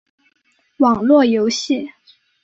网络游戏